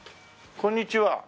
こんにちは。